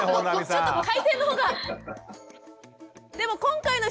ちょっと回線のほうが。